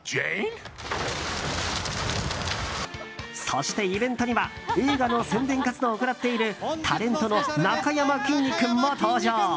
そしてイベントには映画の宣伝活動を行っているタレントのなかやまきんに君も登場。